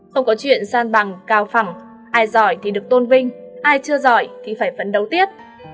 không có chuyện san bằng cao phẳng ai giỏi thì được tôn vinh ai chưa giỏi thì phải phấn đấu tiết